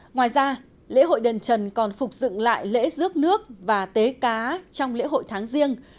ngoài ra lễ hội đền trần còn phục dựng lại lễ rước nước và tế cá trong lễ hội tháng riêng